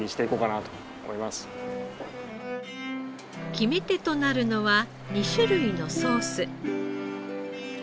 決め手となるのは２種類のソース。